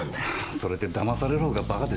それって騙されるほうがバカでしょ。